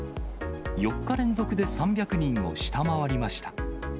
４日連続で３００人を下回りました。